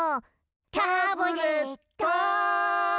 タブレットン！